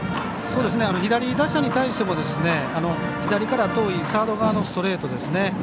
左打者に対しても左から遠いサード側のストレートですね。